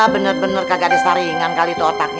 bener bener kagak ada saringan kali itu otaknya